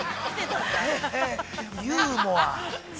ユーモア。